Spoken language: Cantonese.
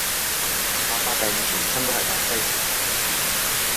白化病全身都係白色